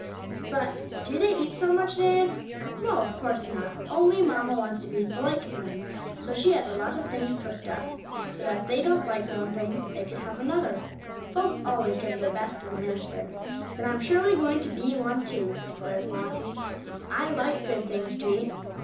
"But do they eat so much, Nan?" "No, of course not, only mamma wants to be polite to them, so she has a lot of things cooked up, so that if they don't like one thing they can have another. Folks always give their best to the minister." "Then I'm surely going to be one, too," declared Flossie. "I like good things to eat.